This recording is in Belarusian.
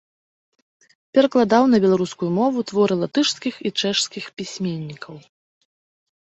Перакладаў на беларускую мову творы латышскіх і чэшскіх пісьменнікаў.